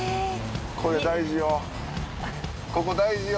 これ大事よ